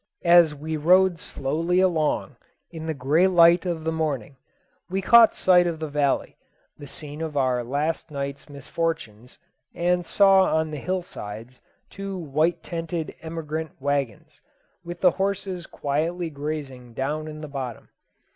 As we rode slowly along, in the grey light of the morning, we caught sight of the valley, the scene of our last night's misfortunes, and saw on the hill sides two white tented emigrant wagons, with the horses quietly grazing down in the bottom.